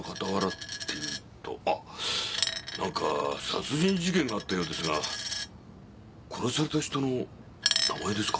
何か殺人事件があったようですが殺された人の名前ですか？